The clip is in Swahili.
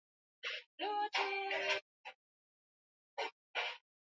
na nane ya kura kwa mujibu wa tume ya uchaguziKiongozi huyo punde baada